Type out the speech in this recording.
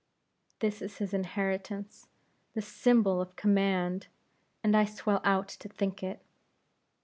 "This is his inheritance this symbol of command! and I swell out to think it.